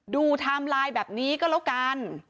ไทม์ไลน์แบบนี้ก็แล้วกัน